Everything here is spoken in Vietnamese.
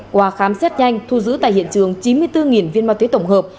qua khám xét nhanh thu giữ tại hiện trường chín mươi bốn viên ma túy tổng hợp